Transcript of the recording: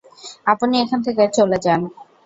আপনি এখান থেকে চলে যান।